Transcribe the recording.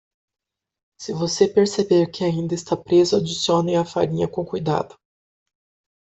Se você perceber que ainda está preso, adicione a farinha com cuidado.